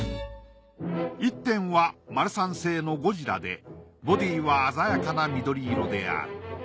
１点はマルサン製のゴジラでボディーは鮮やかな緑色である。